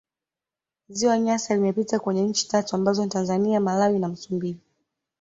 ziwa nyasa limepita kwenye nchi tatu ambazo ni tanzania malawi na msumbiji